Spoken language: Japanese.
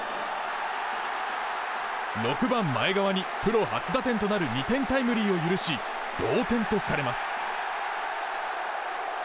６番、前川にプロ初打点となる２点タイムリーを許し同点とされます。